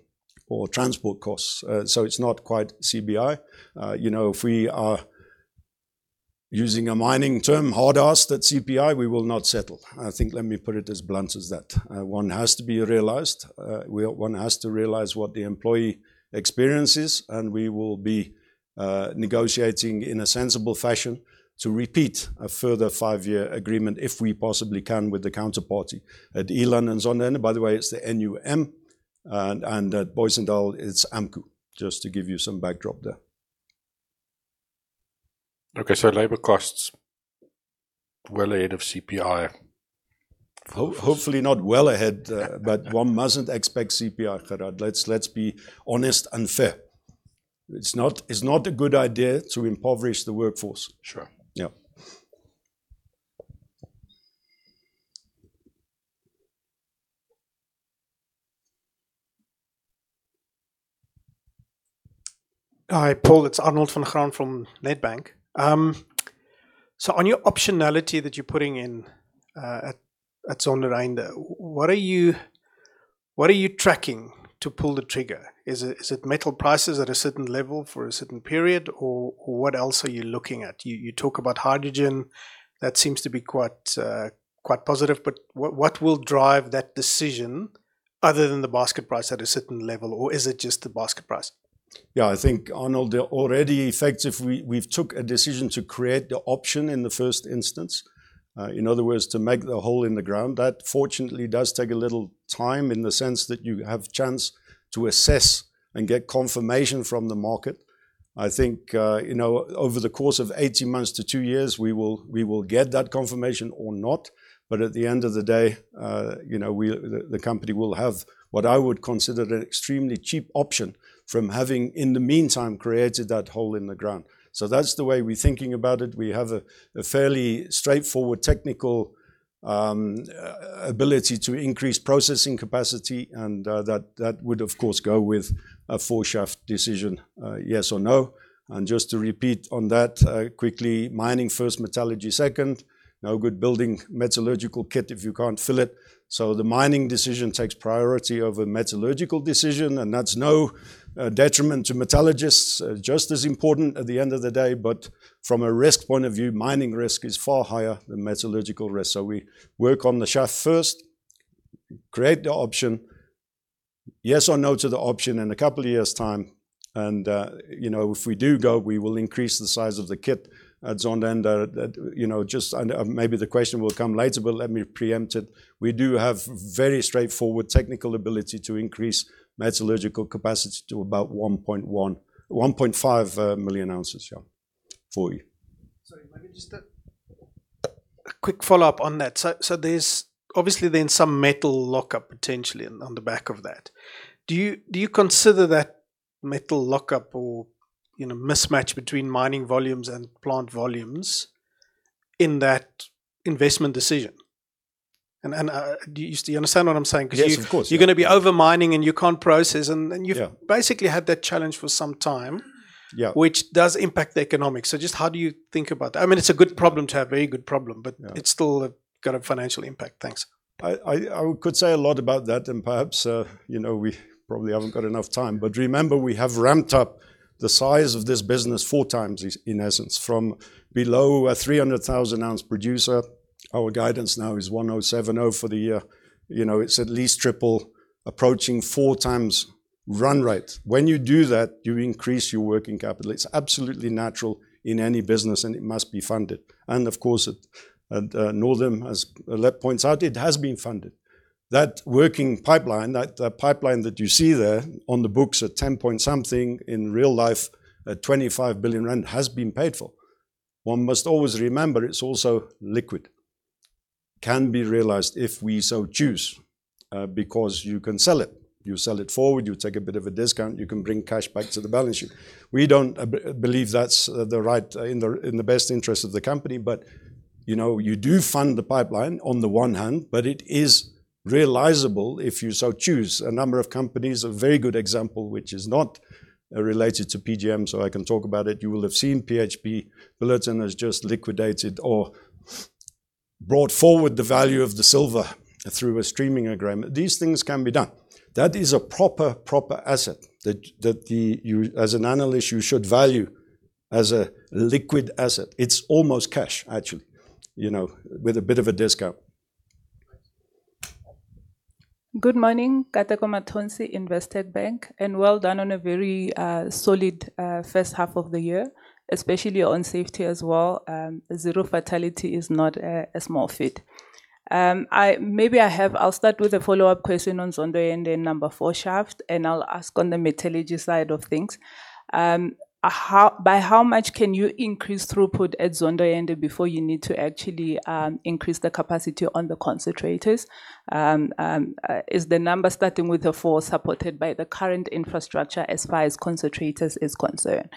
or transport costs. It's not quite CPI. you know, if we are using a mining term, hard ass, that CPI, we will not settle. I think, let me put it as blunt as that. One has to be realized. One has to realize what the employee experience is, and we will be negotiating in a sensible fashion to repeat a further five-year agreement if we possibly can with the counterparty. At Eland and Zondereinde, by the way, it's the NUM, and at Booysendal, it's AMCU, just to give you some backdrop there. Okay, labor costs well ahead of CPI. Hopefully not well ahead, but one mustn't expect CPI, Gerhard. Let's be honest and fair. It's not a good idea to impoverish the workforce. Sure. Yeah. Hi, Paul, it's Arnold van Graan from Nedbank. On your optionality that you're putting in at Zondereinde, what are you tracking to pull the trigger? Is it metal prices at a certain level for a certain period, or what else are you looking at? You talk about hydrogen, that seems to be quite positive, what will drive that decision other than the basket price at a certain level, or is it just the basket price? Yeah, I think, Arnold, already effective we've took a decision to create the option in the first instance. In other words, to make the hole in the ground. That fortunately does take a little time in the sense that you have chance to assess and get confirmation from the market. I think, you know, over the course of 18 months-2-years, we will get that confirmation or not, but at the end of the day, you know, the company will have what I would consider an extremely cheap option from having, in the meantime, created that hole in the ground. That's the way we're thinking about it. We have a fairly straightforward technical ability to increase processing capacity, and that would, of course, go with a four-shaft decision, yes or no. Just to repeat on that, quickly, mining first, metallurgy second. No good building metallurgical kit if you can't fill it. The mining decision takes priority over metallurgical decision, and that's no detriment to metallurgists. Just as important at the end of the day, from a risk point of view, mining risk is far higher than metallurgical risk. We work on the shaft first, create the option, yes or no to the option in a couple of years' time. You know, if we do go, we will increase the size of the kit at Zonde, and that, you know, just, maybe the question will come later, but let me preempt it. We do have very straightforward technical ability to increase metallurgical capacity to about 1.5 million ounces, yeah, for you. Sorry, maybe just a quick follow-up on that. There's obviously then some metal lockup potentially on the back of that. Do you consider that metal lockup or, you know, mismatch between mining volumes and plant volumes in that investment decision? Do you understand what I'm saying? Yes, of course. Because you're gonna be over-mining, and you can't process. Yeah You've basically had that challenge for some time. Yeah. Which does impact the economics. Just how do you think about that? I mean, it's a good problem to have, a very good problem. Yeah... It's still got a financial impact. Thanks. I could say a lot about that, and perhaps, you know, we probably haven't got enough time. Remember, we have ramped up the size of this business four times in essence, from below a 300,000 ounce producer. Our guidance now is 1,070 for the year. You know, it's at least triple, approaching four times run rate. When you do that, you increase your working capital. It's absolutely natural in any business, and it must be funded. Of course, it, Northam, as Lep points out, it has been funded. That working pipeline, that pipeline that you see there on the books at 10-point something, in real life, at 25 billion rand, has been paid for. Must always remember, it's also liquid, can be realized if we so choose, because you can sell it. You sell it forward, you take a bit of a discount, you can bring cash back to the balance sheet. We don't believe that's the right in the best interest of the company, but, you know, you do fund the pipeline on the one hand, but it is realisable if you so choose. A number of companies, a very good example, which is not related to PGM, so I can talk about it. You will have seen BHP Billiton has just liquidated or brought forward the value of the silver through a streaming agreement. These things can be done. That is a proper asset that the as an analyst, you should value as a liquid asset. It's almost cash, actually, you know, with a bit of a discount. Good morning, Katlego Mathonsi, Investec Bank, well done on a very solid first half of the year, especially on safety as well. Zero fatality is not a small feat. I'll start with a follow-up question on Zonde and then number four shaft, and I'll ask on the metallurgy side of things. By how much can you increase throughput at Zonde before you need to actually increase the capacity on the concentrators? Is the number starting with the four supported by the current infrastructure as far as concentrators is concerned?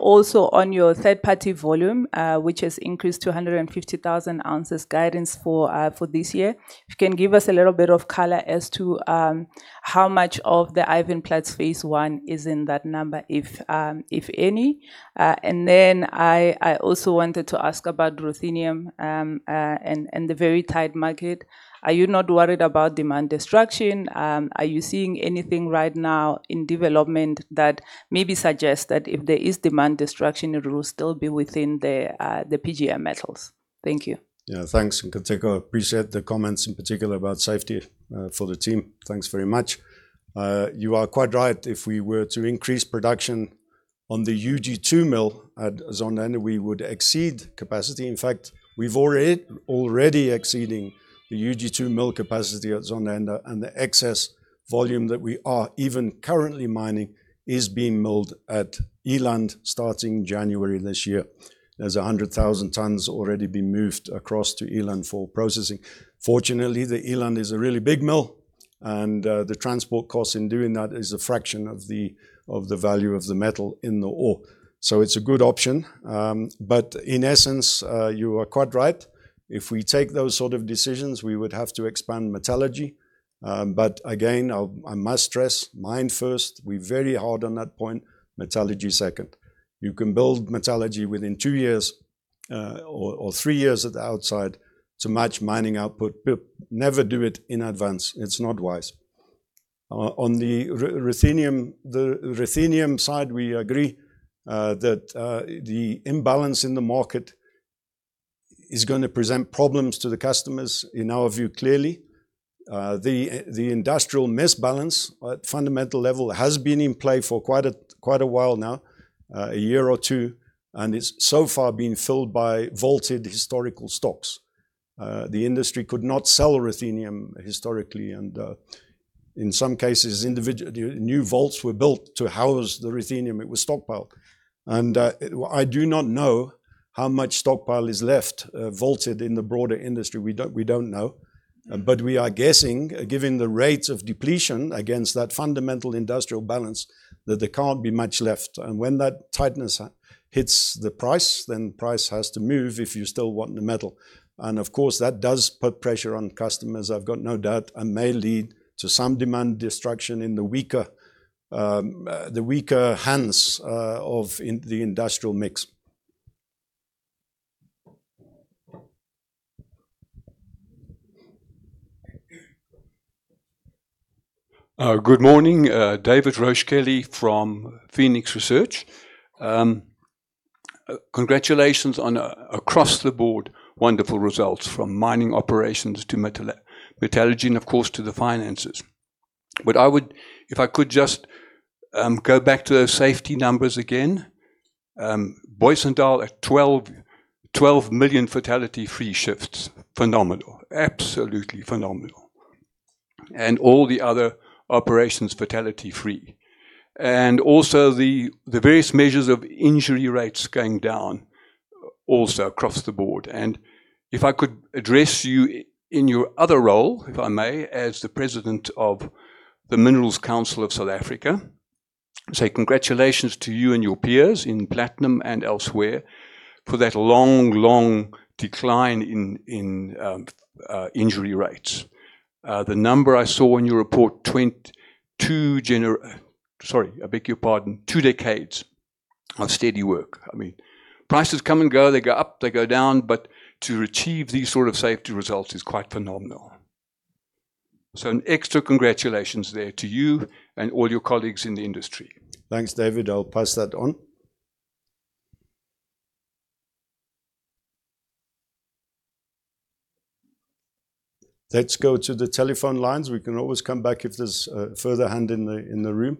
Also on your third-party volume, which has increased to 150,000 ounces guidance for this year, if you can give us a little bit of color as to how much of the Ivanplats phase I is in that number, if any? I also wanted to ask about ruthenium, and the very tight market. Are you not worried about demand destruction? Are you seeing anything right now in development that maybe suggests that if there is demand destruction, it will still be within the PGM metals? Thank you. Yeah, thanks, Katlego. Appreciate the comments, in particular about safety for the team. Thanks very much. You are quite right. If we were to increase production on the UG2 mill at Zonde, we would exceed capacity. In fact, we've already exceeding the UG2 mill capacity at Zonde, and the excess volume that we are even currently mining is being milled at Eland, starting January this year. There's 100,000 tons already been moved across to Eland for processing. Fortunately, the Eland is a really big mill, and the transport cost in doing that is a fraction of the value of the metal in the ore. It's a good option. In essence, you are quite right. If we take those sort of decisions, we would have to expand metallurgy. Again, I must stress, mine first, we're very hard on that point, metallurgy second. You can build metallurgy within 2-years, or 3-years at the outside to match mining output, never do it in advance. It's not wise. On the ruthenium, the ruthenium side, we agree that the imbalance in the market is gonna present problems to the customers, in our view, clearly. The industrial misbalance at fundamental level has been in play for quite a while now, a year or two, it's so far been filled by vaulted historical stocks. The industry could not sell ruthenium historically, in some cases, new vaults were built to house the ruthenium. It was stockpiled. I do not know how much stockpile is left, vaulted in the broader industry. We don't know, but we are guessing, given the rate of depletion against that fundamental industrial balance, that there can't be much left. When that tightness hits the price, then price has to move if you still want the metal. Of course, that does put pressure on customers, I've got no doubt, and may lead to some demand destruction in the weaker the weaker hands of the industrial mix. Good morning, David Roche-Kelly from Phoenix Research. Congratulations on across the board, wonderful results from mining operations to metallurgy, and, of course, to the finances. If I could just go back to those safety numbers again. Booysendal at 12 million fatality-free shifts. Phenomenal. Absolutely phenomenal. All the other operations, fatality-free. Also the various measures of injury rates going down, also across the board. If I could address you in your other role, if I may, as the President of the Minerals Council of South Africa, say congratulations to you and your peers in platinum and elsewhere for that long, long decline in injury rates. The number I saw in your report, sorry, I beg your pardon, two decades of steady work. I mean, prices come and go, they go up, they go down, but to achieve these sort of safety results is quite phenomenal. An extra congratulations there to you and all your colleagues in the industry. Thanks, David. I'll pass that on. Let's go to the telephone lines. We can always come back if there's a further hand in the room.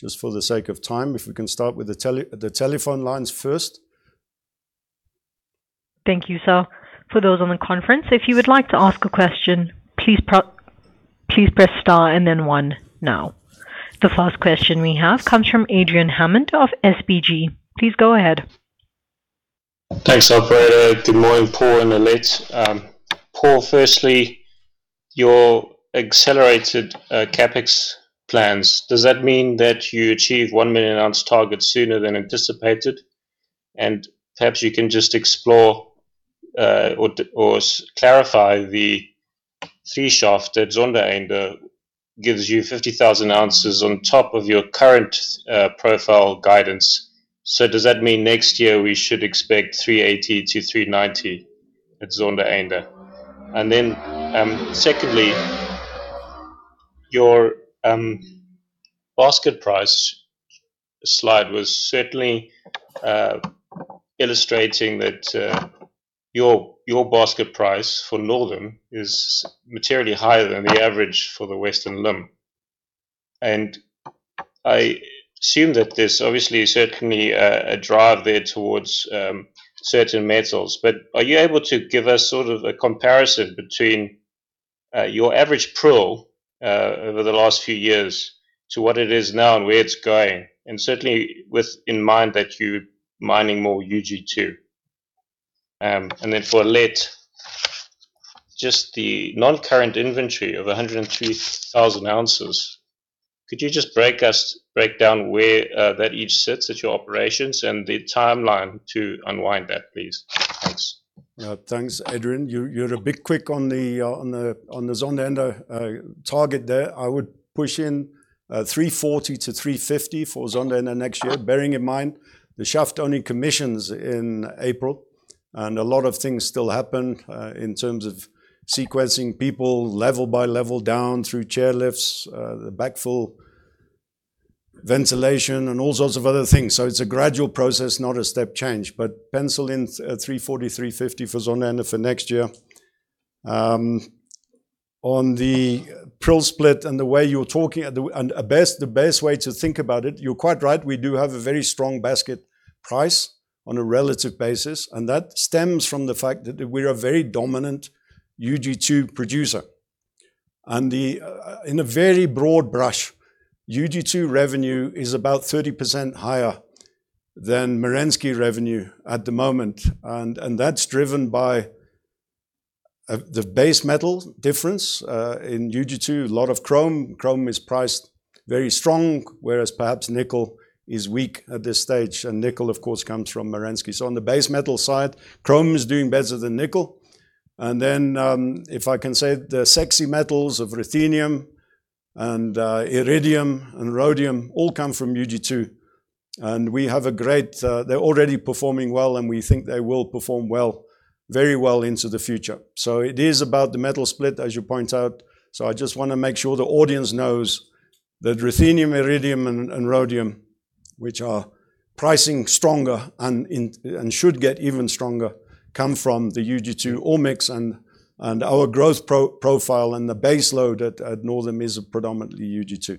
Just for the sake of time, if we can start with the telephone lines first. Thank you, sir. For those on the conference, if you would like to ask a question, please press star and then one now. The first question we have comes from Adrian Hammond of SBG. Please go ahead. Thanks, operator. Good morning, Paul and Alet. Paul, firstly, your accelerated CapEx plans, does that mean that you achieve 1 million ounce target sooner than anticipated? Perhaps you can just explore or clarify the C-shaft at Zondereinde gives you 50,000 ounces on top of your current profile guidance. Does that mean next year we should expect 380-390 at Zondereinde? Secondly, your basket price slide was certainly illustrating that your basket price for Northam is materially higher than the average for the Western Limb. I assume that there's obviously certainly a drive there towards certain metals. Are you able to give us sort of a comparison between your average proll over the last few years to what it is now and where it's going, and certainly with in mind that you're mining more UG2? And then for Alet, just the non-current inventory of 102,000 ounces, could you just break down where that each sits at your operations and the timeline to unwind that, please? Thanks. Thanks, Adrian. You're a bit quick on the Zondereinde target there. I would push in 340-350 for Zondereinde next year, bearing in mind, the shaft only commissions in April, and a lot of things still happen in terms of sequencing people level by level down through chairlifts, the backfill, ventilation, and all sorts of other things. It's a gradual process, not a step change, but pencil in 340, 350 for Zondereinde for next year. On the proll split and the way you're talking, and the best way to think about it, you're quite right, we do have a very strong basket price on a relative basis, and that stems from the fact that we're a very dominant UG2 producer. The, in a very broad brush, UG2 revenue is about 30% higher than Merensky revenue at the moment, and that's driven by the base metal difference. In UG2, a lot of chrome. Chrome is priced very strong, whereas perhaps nickel is weak at this stage, and nickel, of course, comes from Merensky. On the base metal side, chrome is doing better than nickel. Then, if I can say, the sexy metals of ruthenium and iridium and rhodium all come from UG2, and we have a great, they're already performing well, and we think they will perform well, very well into the future. It is about the metal split, as you point out. I just want to make sure the audience knows that ruthenium, iridium, and rhodium, which are pricing stronger and should get even stronger, come from the UG2 ore mix and our growth profile and the base load at Northam is predominantly UG2.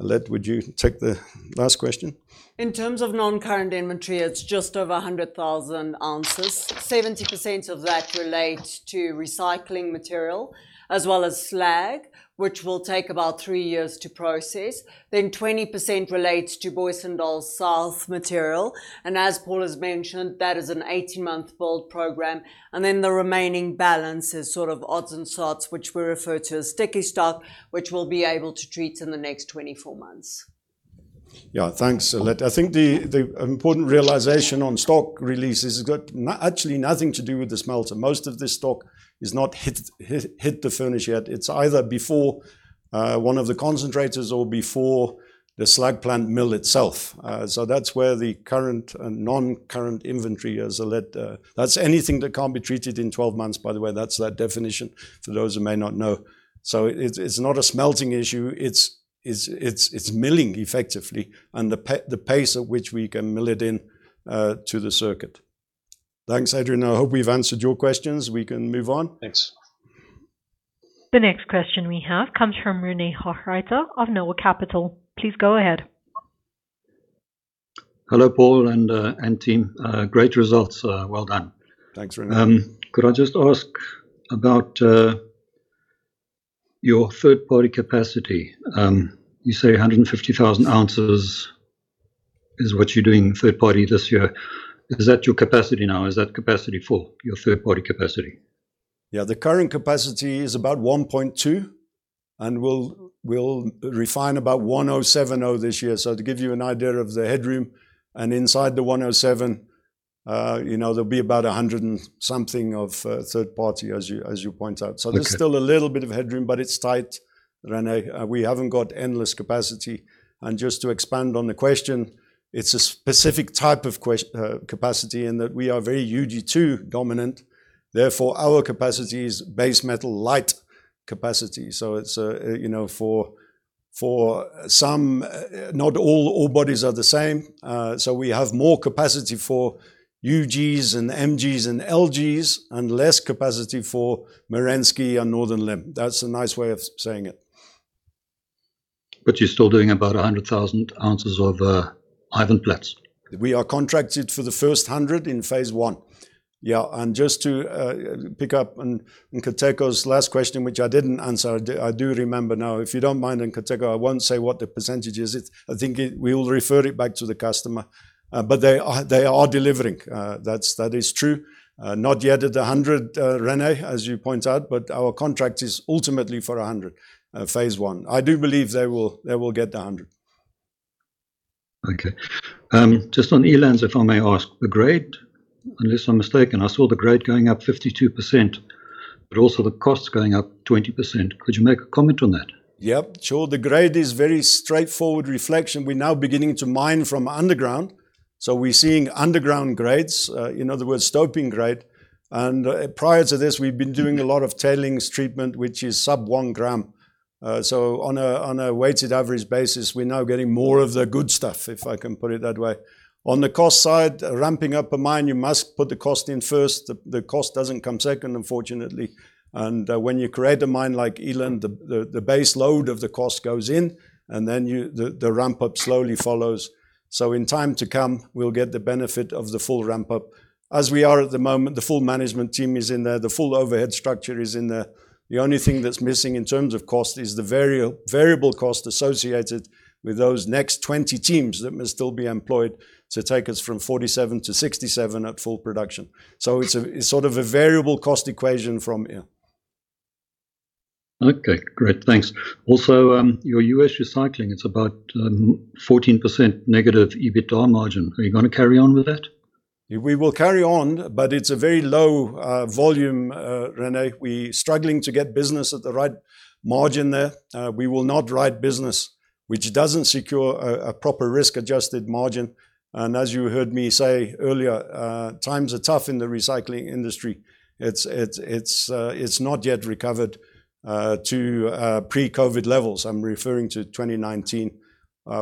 Alet, would you take the last question? In terms of non-current inventory, it's just over 100,000 ounces. 70% of that relates to recycling material as well as slag, which will take about three years to process. 20% relates to Booysendal South material, and as Paul has mentioned, that is an 18-month build program. The remaining balance is sort of odds and sorts, which we refer to as sticky stock, which we'll be able to treat in the next 24 months. Thanks, Alet. I think the important realization on stock release has got actually nothing to do with the smelter. Most of this stock is not hit the furnace yet. It's either before one of the concentrators or before the slag plant mill itself. That's where the current and non-current inventory is, Alet. That's anything that can't be treated in 12 months, by the way. That's that definition, for those who may not know. So it's not a smelting issue, it's milling effectively and the pace at which we can mill it in to the circuit. Thanks, Adrian. I hope we've answered your questions, we can move on? Thanks. The next question we have comes from René Hochreiter of NOAH Capital Markets. Please go ahead. Hello, Paul and team. Great results. Well done. Thanks, René. Could I just ask about your third-party capacity? You say 150,000 ounces is what you're doing third party this year. Is that your capacity now? Is that capacity full, your third-party capacity? Yeah, the current capacity is about 1.2, and we'll refine about 1,070 this year. To give you an idea of the headroom, and inside the 1,070, you know, there'll be about 100 and something of third party, as you point out. Okay. There's still a little bit of headroom, but it's tight, René. We haven't got endless capacity. Just to expand on the question, it's a specific type of capacity in that we are very UG2 dominant, therefore, our capacity is base metal light capacity. It's, you know, for some, not all bodies are the same. We have more capacity for UGs and MGs and LGs, and less capacity for Merensky and Northern Limb. That's a nice way of saying it. You're still doing about 100,000 ounces of Ivanplats? We are contracted for the first 100 in phase I. Just to pick up on René's last question, which I didn't answer, I do remember now. If you don't mind, Nkateko, I won't say what the percentage is. I think it, we will refer it back to the customer. They are delivering. That's, that is true. Not yet at a 100, René, as you point out, but our contract is ultimately for a 100, phase I. I do believe they will get the 100. Just on Eland, if I may ask, the grade, unless I'm mistaken, I saw the grade going up 52%, but also the costs going up 20%. Could you make a comment on that? Yep, sure. The grade is very straightforward reflection. We're now beginning to mine from underground, so we're seeing underground grades, in other words, stoping grade. Prior to this, we've been doing a lot of tailings treatment, which is sub 1 gram. On a weighted average basis, we're now getting more of the good stuff, if I can put it that way. On the cost side, ramping up a mine, you must put the cost in first. The cost doesn't come second, unfortunately. When you create a mine like Eland, the base load of the cost goes in, and then the ramp-up slowly follows. In time to come, we'll get the benefit of the full ramp-up. As we are at the moment, the full management team is in there, the full overhead structure is in there. The only thing that's missing in terms of cost is the variable cost associated with those next 20 teams that must still be employed to take us from 47-67 at full production. It's sort of a variable cost equation from, yeah. Okay, great. Thanks. Also, your U.S. recycling, it's about 14% negative EBITDA margin. Are you gonna carry on with that? We will carry on. It's a very low volume, René. We're struggling to get business at the right margin there. We will not write business which doesn't secure a proper risk-adjusted margin. As you heard me say earlier, times are tough in the recycling industry. It's not yet recovered to pre-COVID levels. I'm referring to 2019.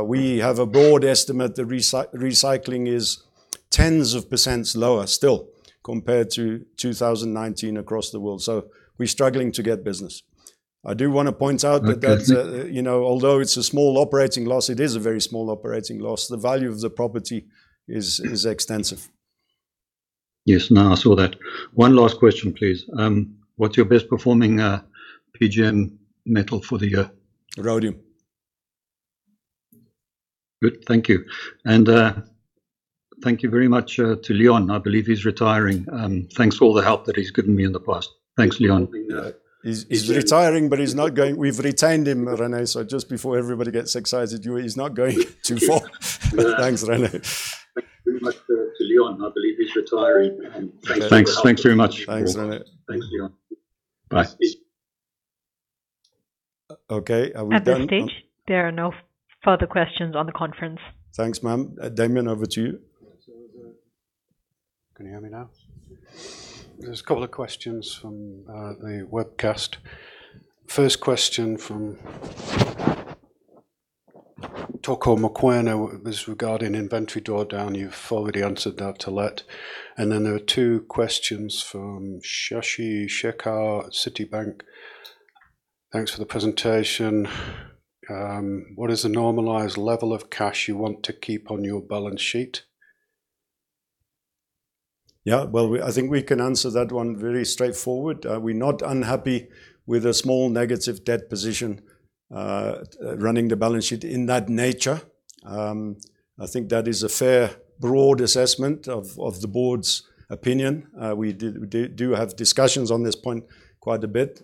We have a broad estimate that recycling is tens of % lower still compared to 2019 across the world. We're struggling to get business. I do wanna point out. Okay... that's, you know, although it's a small operating loss, it is a very small operating loss. The value of the property is extensive. Yes, no, I saw that. One last question, please. What's your best performing, PGM metal for the year? Rhodium. Good, thank you. Thank you very much to Leon. I believe he's retiring. Thanks for all the help that he's given me in the past. Thanks, Leon. He's retiring, but he's not going. We've retained him, René. Just before everybody gets excited, He's not going too far. Thanks, René. Thank you very much, to Leon. I believe he's retiring. Thanks. Thank you very much. Thanks, René. Thanks, Leon. Bye. Okay, are we done? At this stage, there are no further questions on the conference. Thanks, ma'am. Damian, over to you. Can you hear me now? There's a couple of questions from the webcast. First question from Tiego Moseneke was regarding inventory draw down. You've already answered that, Letette. Then there are two questions from Shashi Shekhar at Citibank. Thanks for the presentation. What is the normalized level of cash you want to keep on your balance sheet? Yeah, well, I think we can answer that one very straightforward. We're not unhappy with a small negative debt position, running the balance sheet in that nature. I think that is a fair, broad assessment of the board's opinion. We did do have discussions on this point quite a bit,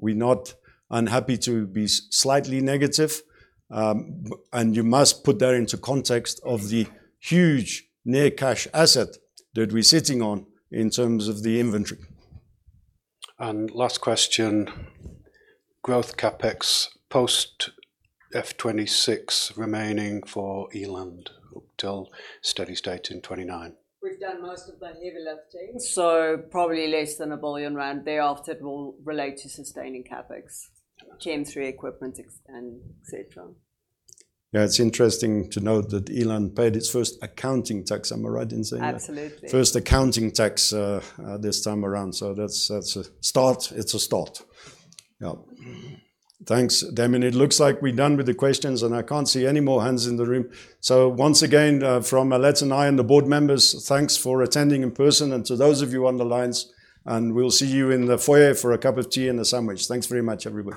we're not unhappy to be slightly negative. You must put that into context of the huge near-cash asset that we're sitting on in terms of the inventory. Last question, growth CapEx post FY 2026 remaining for Eland until steady state in 2029? We've done most of the heavy lifting, so probably less than 1 billion rand. Thereafter, it will relate to sustaining CapEx, GM three equipment, and et cetera. Yeah, it's interesting to note that Eland paid its first accounting tax. Am I right in saying that? Absolutely. First accounting tax, this time around, so that's a start. It's a start. Yeah. Thanks, Damian. It looks like we're done with the questions, and I can't see any more hands in the room. Once again, from Alet and I and the board members, thanks for attending in person, and to those of you on the lines, and we'll see you in the foyer for a cup of tea and a sandwich. Thanks very much, everybody.